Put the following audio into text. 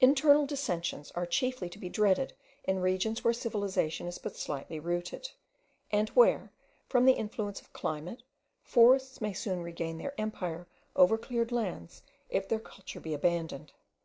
Internal dissensions are chiefly to be dreaded in regions where civilization is but slightly rooted, and where, from the influence of climate, forests may soon regain their empire over cleared lands if their culture be abandoned.